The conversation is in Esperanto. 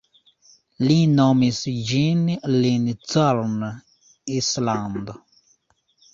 Li nomis ĝin Lincoln Island.